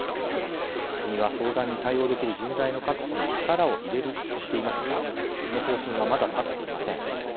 国は相談に対応できる人材の確保に力を入れるとしていますがその方針はまだたっていません。